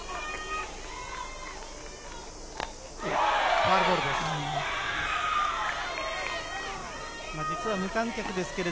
ファウルボールです。